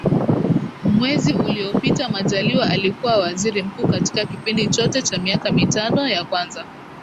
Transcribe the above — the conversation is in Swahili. mwezi uliopitaMajaliwa alikuwa Waziri Mkuu katika kipindi chote cha miaka mitano ya kwanza